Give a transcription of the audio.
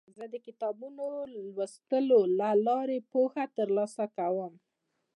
زه د کتابونو د لوستلو له لارې پوهه ترلاسه کوم.